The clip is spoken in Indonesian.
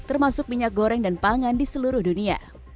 termasuk minyak goreng dan pangan di seluruh dunia